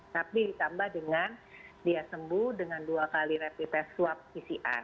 tapi ditambah dengan dia sembuh dengan dua kali rapid test swab pcr